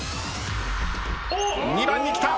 ２番に来た！